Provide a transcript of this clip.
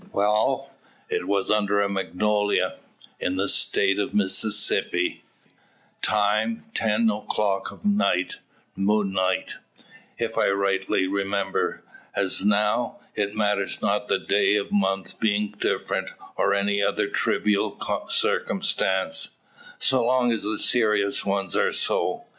Wall, it was under a magnolia, in the State of Mississippi; time ten o'clock of night, moonlight, if I rightly remember, as now. It matters not the day of the month being different, or any other trivial circumstance, so long as the serious ones are so.